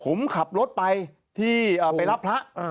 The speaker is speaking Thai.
ผมขับรถไปที่ไปรับพระ